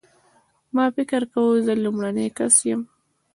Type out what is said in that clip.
ما فکر کاوه زه لومړنی کس یم.